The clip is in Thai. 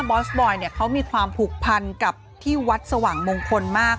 อสบอยเนี่ยเขามีความผูกพันกับที่วัดสว่างมงคลมาก